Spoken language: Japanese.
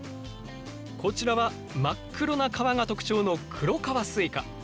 こちらは真っ黒な皮が特徴の黒皮すいか。